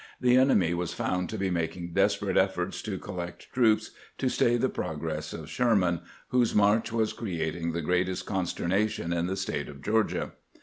The enemy was found to be mak ing desperate efforts to collect troops to stay the pro gress of Sherman, whose inarch was creating the greatest consternation in the State of Georgia.